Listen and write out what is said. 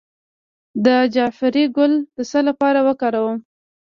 د جعفری ګل د څه لپاره وکاروم؟